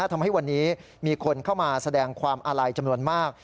ทำให้วันนี้มีคนเข้ามาแสดงความอาลัยจำนวนมาก